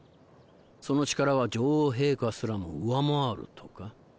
その力は女王陛下すらも上回るとか。